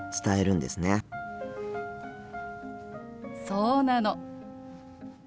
そうなの。